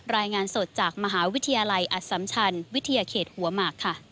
รายงานสดจากมหาวิทยาลัยอสัมชันวิทยาเขตหัวหมากค่ะ